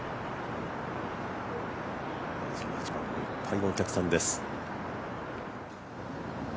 １８番、いっぱいのお客さんです。